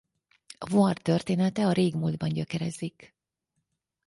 Hvar története a régmúltban gyökerezik.